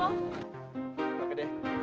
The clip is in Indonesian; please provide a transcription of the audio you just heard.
boleh jemput abang gue